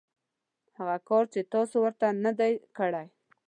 هغه کار چې تاسو ورته نه دی کړی .